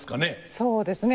そうですね。